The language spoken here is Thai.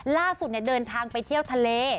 ล่าสุดเนี่ยเดินทางไปเที่ยวทะเล